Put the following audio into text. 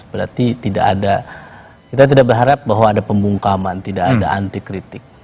berarti tidak ada kita tidak berharap bahwa ada pembungkaman tidak ada anti kritik